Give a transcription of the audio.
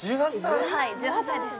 はい１８歳です